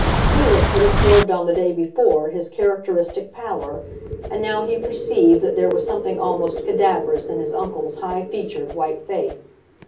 Felix had observed on the day before his characteristic pallor; and now he perceived that there was something almost cadaverous in his uncle's high featured white face.